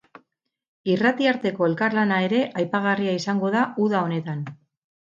Irrati arteko elkarlana ere aipagarria izango da uda honetan.